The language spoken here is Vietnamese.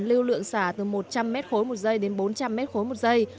lưu lượng xả từ một trăm linh mét khối một giây đến bốn trăm linh mét khối một giây